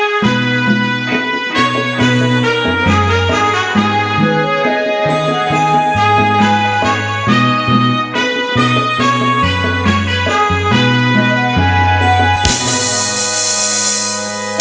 นี่พร้อมอินโทรเพลงที่สี่มาเลยครับ